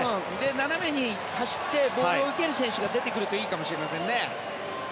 斜めに走ってボールを受ける選手が出てくるといいかもしれません。